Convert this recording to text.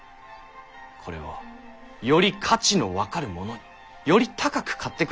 これをより価値の分かる者により高く買ってくれる者に売るのです。